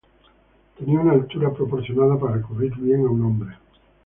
Tenía una altura proporcionada para cubrir bien a un hombre.